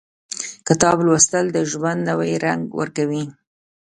• کتاب لوستل، د ژوند نوی رنګ ورکوي.